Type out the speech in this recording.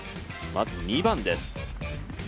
まず２番です。